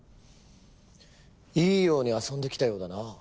いいように遊んできたようだな。